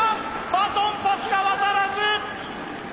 バトンパスが渡らず！